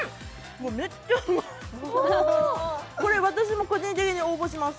もうめっちゃうまいこれ私も個人的に応募します